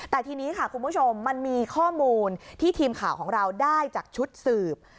แต่ทีนี้ค่ะคุณผู้ชมมันมีข้อมูลที่ทีมข่าวของเราได้จากชุดสืบ